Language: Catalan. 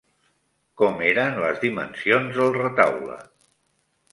Com eren les dimensions del retaule?